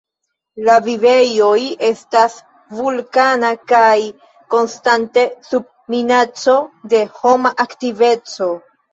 La vivejoj estas vulkana kaj konstante sub minaco de homa aktiveco.